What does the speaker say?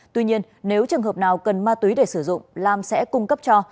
tuy nhiên nếu trường hợp nào cần ma túy để sử dụng lam sẽ cung cấp cho